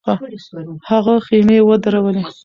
هغه خېمې ودرولې.